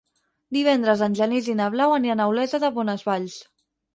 Divendres en Genís i na Blau aniran a Olesa de Bonesvalls.